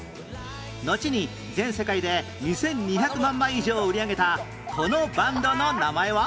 のちに全世界で２２００万枚以上を売り上げたこのバンドの名前は？